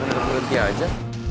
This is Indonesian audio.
ini ada belutnya aja